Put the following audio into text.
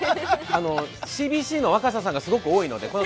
ＣＢＣの若狭さんがすごく多いので。